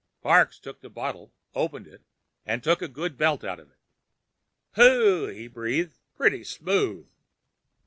Parks took the bottle, opened it, and took a good belt out of it. "Hooh!" he breathed. "Pretty smooth."